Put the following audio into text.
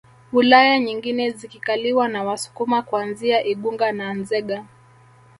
Wilaya nyingine zikikaliwa na Wasukuma kuanzia Igunga na Nzega